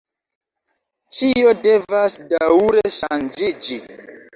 Ĉio devas daŭre ŝanĝiĝi.